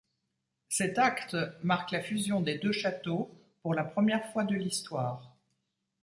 Cet acte marque la fusion des deux châteaux pour la première fois de l'histoire.